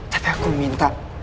tapi aku minta